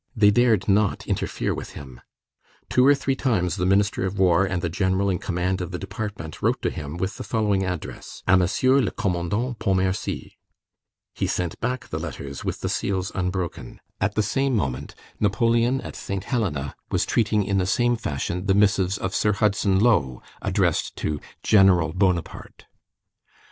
They dared not interfere with him. Two or three times the Minister of War and the general in command of the department wrote to him with the following address: _"A Monsieur le Commandant Pontmercy." _ He sent back the letters with the seals unbroken. At the same moment, Napoleon at Saint Helena was treating in the same fashion the missives of Sir Hudson Lowe addressed to General Bonaparte.